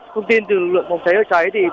thông tin từ lực lượng phòng cháy chữa cháy